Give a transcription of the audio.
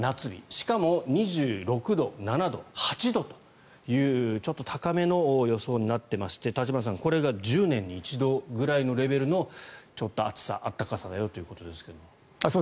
しかも２６度、２７度、２８度というちょっと高めの予想になってまして立花さん、これが１０年に一度くらいのレベルのちょっと暑さ暖かさだよということですが。